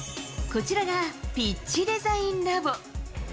こちらがピッチデザインラボ。